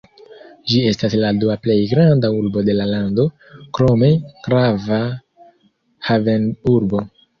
Ĝi estas la dua plej granda urbo de la lando, krome grava havenurbo.